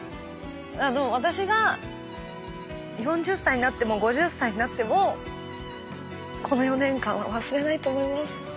私が４０歳になっても５０歳になってもこの４年間は忘れないと思います。